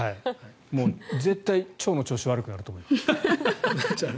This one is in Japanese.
もう絶対に腸の調子が悪くなると思います。